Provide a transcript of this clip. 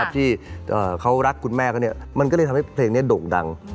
ที่เขารักคุณแม่เขามันก็เลยทำให้เพลงนี้โด่งดัง